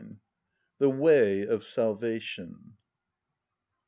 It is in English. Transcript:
The Way Of Salvation.